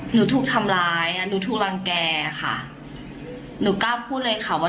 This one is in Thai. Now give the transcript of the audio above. หนูกล้าพูดเลยค่ะว่า